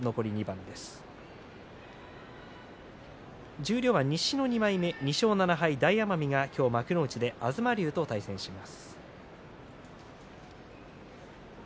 十両は西の２枚目の大奄美が今日幕内で東龍と対戦します。